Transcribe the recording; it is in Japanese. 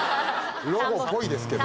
ロゴっぽいですけど。